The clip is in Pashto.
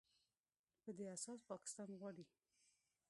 په دې اساس پاکستان غواړي